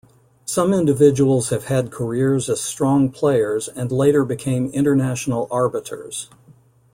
Some individuals have had careers as strong players and later become International Arbiters.